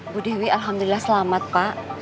bu dewi alhamdulillah selamat pak